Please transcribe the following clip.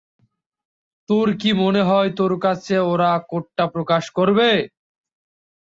তোর কি মনে হয় তোর কাছে ওরা কোডটা প্রকাশ করবে?